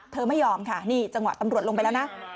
ไม่ยอมค่ะนี่จังหวะตำรวจลงไปแล้วนะ